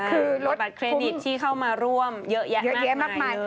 คือรถบัตรเครดิตที่เข้ามาร่วมเยอะแยะมากมาย